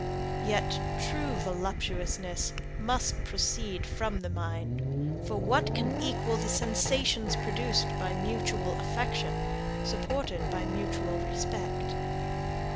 Yet, true voluptuousness must proceed from the mind for what can equal the sensations produced by mutual affection, supported by mutual respect?